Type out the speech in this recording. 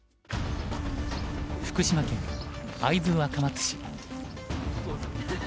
福島県会津若松市。